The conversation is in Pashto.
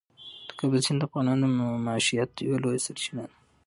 د کابل سیند د افغانانو د معیشت یوه لویه سرچینه ده.